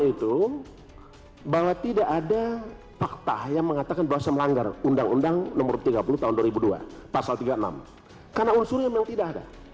gitu bahwa tidak ada fakta yang mencatatkan doa semangat undang undang nomor tiga puluh tahun dua ribu dua pasal tiga enam kanan yang tidak ada